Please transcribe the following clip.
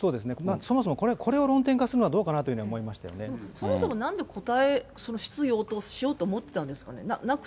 そもそも、これを論点化するのはどうかなと思いそもそもなんで、答える必要と、しようと思ってたんですかね。